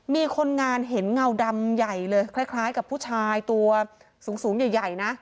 มีคนงานเห็นเงาดำใหญ่เลยคล้ายกับผู้ชายตัวสูงใหญ่นะ